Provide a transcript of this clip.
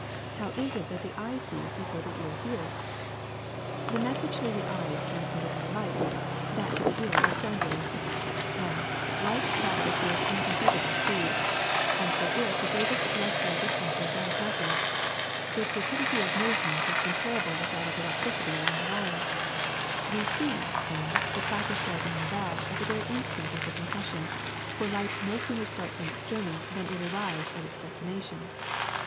How is it that the eye sees before the ear hears ? ^'The message to the eye is transmitted by light, that to the ear by sound waves. Now, light travels with inconceivable speed, and for it the greatest ter restrial distances are as nothing. Its rapidity of movement is comparable with that of electricity along a wire. We see, then, the clapper striking the bell at the very instant of the concussion, for light no sooner starts on its journey than it arrives at its destination.